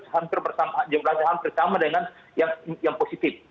hampir jumlahnya hampir sama dengan yang positif